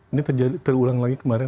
ini terulang lagi kemarin